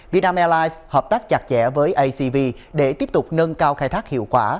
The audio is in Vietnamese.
việt nam airlines hợp tác chặt chẽ với acv để tiếp tục nâng cao khai thác hiệu quả